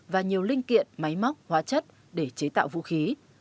và nhiều linh kiện máy móc hóa chất để chế tạo vũ khí